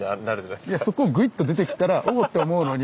いやそこをグイッと出てきたら「おお！」って思うのに。